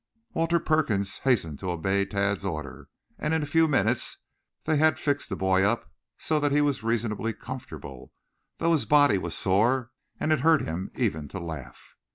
Walter Perkins hastened to obey Tad's order, and in a few minutes they had fixed the boy up so that he was reasonably comfortable, though his body was sore and it hurt him even to laugh.